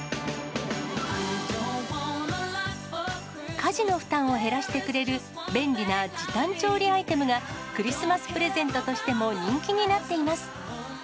家事の負担を減らしてくれる、便利な時短調理アイテムが、クリスマスプレゼントとしても人気になっています。